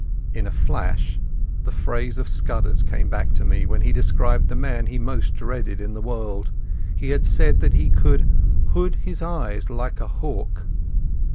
In a flash the phrase of Scudder's came back to me, when he had described the man he most dreaded in the world. He had said that he "could hood his eyes like a hawk".